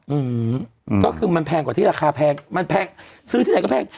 อืมก็คือมันแพงกว่าที่ราคาแพงมันแพงซื้อที่ไหนก็แพง